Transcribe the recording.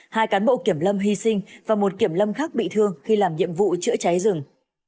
hai cán bộ kiểm lâm hy sinh và một kiểm lâm khác bị thương khi làm nhiệm vụ chữa cháy rừng